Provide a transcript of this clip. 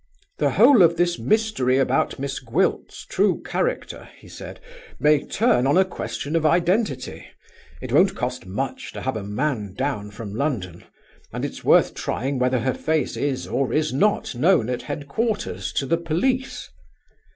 'The whole of this mystery about Miss Gwilt's true character,' he said, 'may turn on a question of identity. It won't cost much to have a man down from London; and it's worth trying whether her face is or is not known at headquarters to the police.